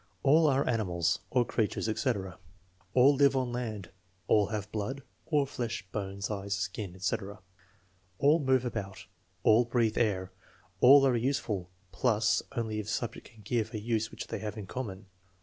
"All are animals" (or creatures, etc.). "All live on the land." "All have blood" (or flesh, bones, eyes, skin, etc.). " Ail move about." "All breathe air." "All are useful" (plus only if subject can give a use which they have in common).